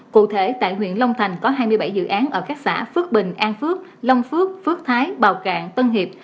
cụ thể tại huyện long thành có hai mươi bảy dự án ở các xã phước bình an phước long phước phước thái bào cạn tân hiệp